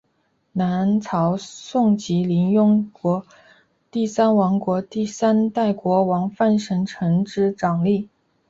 南朝宋及林邑国第三王朝第三代国王范神成之长史。